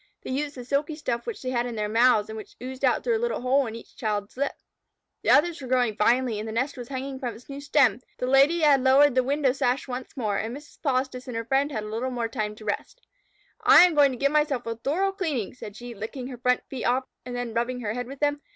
They used the silky stuff which they had in their mouths, and which oozed out through a little hole in each child's lip. The others were growing finely, the nest was hanging from its new stem, the Lady had lowered the window sash once more, and Mrs. Polistes and her friend had a little time to rest. "I am going to give myself a thorough cleaning," said she, licking her front feet off and then rubbing her head with them.